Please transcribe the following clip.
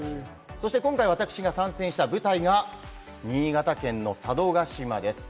そして今回、私が参戦した舞台が新潟県の佐渡島です。